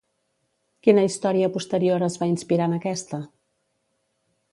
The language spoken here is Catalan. Quina història posterior es va inspirar en aquesta?